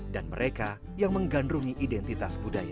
dan mereka yang menggandungi identitas budaya